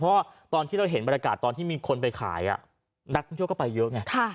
เพราะว่าตอนที่เราเห็นบรรยากาศตอนที่มีคนไปขายนักท่องเที่ยวก็ไปเยอะไง